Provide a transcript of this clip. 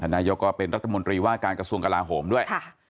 นายกก็เป็นรัฐมนตรีว่าการกระทรวงกลาโหมด้วย